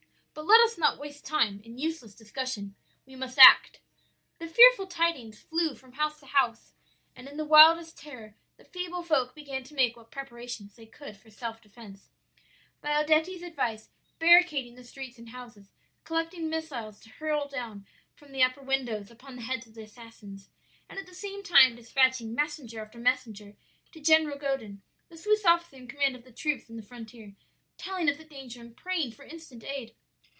But let us not waste time in useless discussion. We must act.' "The fearful tidings flew from house to house, and in the wildest terror the feeble folk began to make what preparations they could for self defence; by Odetti's advice barricading the streets and houses, collecting missiles to hurl down from the upper windows upon the heads of the assassins, and at the same time dispatching messenger after messenger to General Godin, the Swiss officer in command of the troops on the frontier, telling of the danger and praying for instant aid.